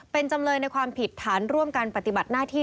เป็นจำเลยในความผิดฐานร่วมกันปฏิบัติหน้าที่